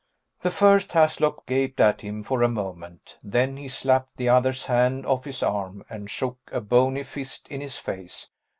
The first Haslop gaped at him for a moment; then he slapped the other's hand off his arm and shook a bony fist in his face.